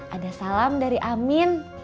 ada salam dari amin